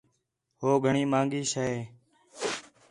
ہو گھݨیں ماہنڳی شے ہے